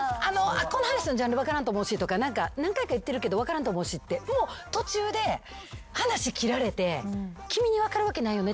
「この話のジャンル分からんと思うし」とか「何回か言ってるけど分からんと思うし」ってもう途中で話切られて「君に分かるわけないよね」